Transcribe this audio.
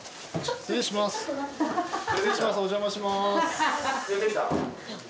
失礼します。